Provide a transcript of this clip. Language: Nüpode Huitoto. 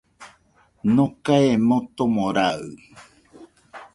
Nokae motomo raɨ,